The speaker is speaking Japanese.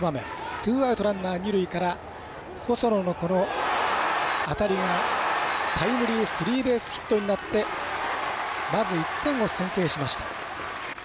ツーアウト、ランナー、二塁から細野の当たりがタイムリースリーベースヒットになってまず１点を先制しました。